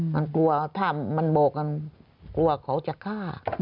มันกลัวถ้ามันบอกกันกลัวเขาจะฆ่า